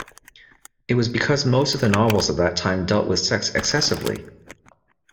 It was because most of the novels of that time dealt with sex excessively!